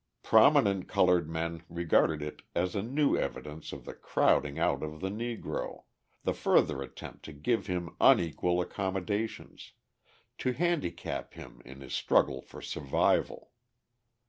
Prominent coloured men regarded it as a new evidence of the crowding out of the Negro, the further attempt to give him unequal accommodations, to handicap him in his struggle for survival.